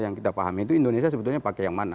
yang kita paham itu indonesia sebetulnya pakai yang mana